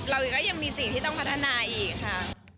เราก็ยังมีสิ่งที่ต้องพัฒนาอีกค่ะ